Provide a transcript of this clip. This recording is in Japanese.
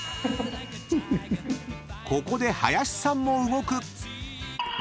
［ここで林さんも動く］